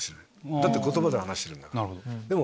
だって言葉で話してるから。